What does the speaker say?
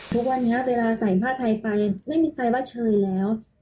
ทุกวันนี้เวลาใส่ผ้าไทยไปไม่มีใครว่าเชิญแล้ว